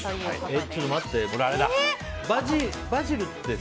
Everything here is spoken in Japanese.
え、ちょっと待って。